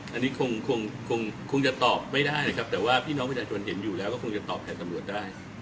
อันนี้คงจะตอบไม่ได้นะครับแต่ว่าพี่น้องประชาชนเห็นอยู่แล้วก็คงจะตอบแทนตำรวจได้